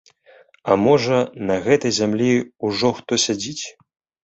А можа, на гэтай зямлі ўжо хто сядзіць?